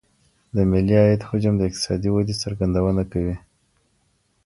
د ملي عايد حجم د اقتصادي ودي څرګندونه کوي.